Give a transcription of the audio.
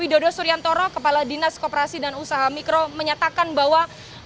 widodo suryantoro kepala dinas koperasi dan usaha mikro menyatakan bahwa